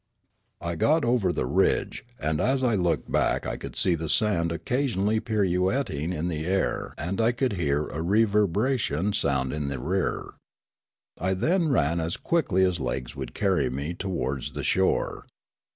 I got over the ridge, and as I looked back I could see the sand occasionally pirouetting in the air and I could hear a reverberation sound in the rear. I then ran as quickly as legs would carry me towards the shore.